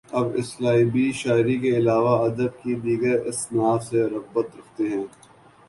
آپ اسالیبِ شعری کے علاوہ ادب کی دیگر اصناف سے رغبت رکھتے ہیں